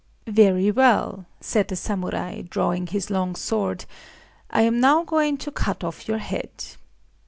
"Very well," said the samurai, drawing his long sword;—"I am now going to cut off your head.